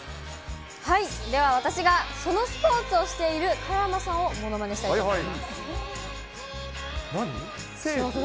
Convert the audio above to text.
では私が、そのスポーツをしている加山さんをものまねしたいと思います。